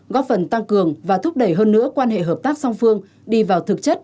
góp phần tăng cường và thúc đẩy hơn nữa quan hệ hợp tác song phương đi vào thực chất